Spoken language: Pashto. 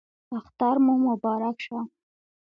اختر مو مبارک شه